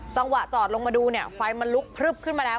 จังหวะจอดลงมาดูเนี่ยไฟมันลุกพลึบขึ้นมาแล้ว